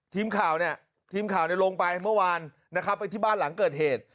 ทีมข่าวเนี่ยทีมข่าวลงไปเมื่อวานนะครับไปที่บ้านหลังเกิดเหตุ